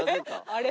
あれ？